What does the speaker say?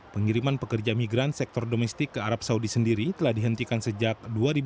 pengiriman pekerja migran sektor domestik ke arab saudi sendiri telah dihentikan sejak dua ribu enam belas